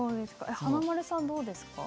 華丸さんはどうですか？